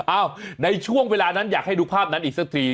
ในช่วงเวลานั้นอยากให้ดูภาพนั้นอีกสักที